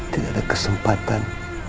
tidak ada kesempatan